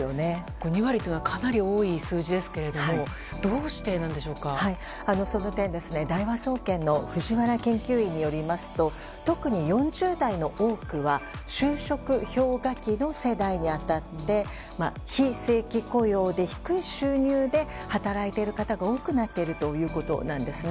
２割というのはかなり多い数字ですけれどもその点、大和総研の藤原研究員によりますと特に４０代の多くは就職氷河期の世代に当たって非正規雇用で低い収入で働いている方が多くなっているということなんですね。